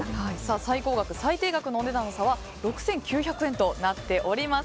最高額、最低額のお値段の差は６９００円となっております。